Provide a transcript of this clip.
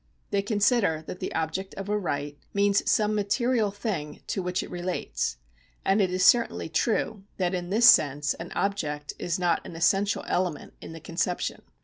They consider that the object of a right means some material thing to which it relates ; and it is certainly true that in this sense an object is not an essential element in the conception.